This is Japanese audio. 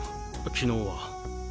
昨日は。